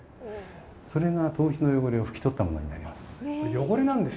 それが頭皮の汚れをふき取ったものになります。